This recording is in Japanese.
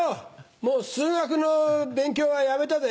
もう数学の勉強はやめたぜ。